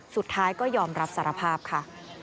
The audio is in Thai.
สุดท้ายก็ยอมรับสารภาพค่ะ